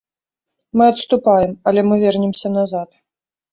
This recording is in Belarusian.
Мы адступаем, але мы вернемся назад.